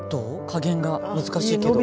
加減が難しいけど。